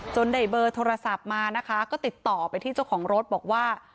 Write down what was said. ได้เบอร์โทรศัพท์มานะคะก็ติดต่อไปที่เจ้าของรถบอกว่า